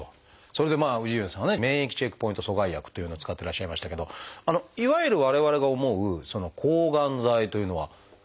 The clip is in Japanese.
それで氏家さんはね免疫チェックポイント阻害薬というのを使ってらっしゃいましたけどいわゆる我々が思う抗がん剤というのは使わないということでしょうか？